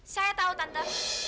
saya tahu tante